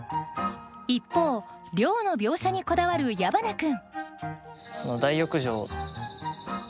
一方寮の描写にこだわる矢花君。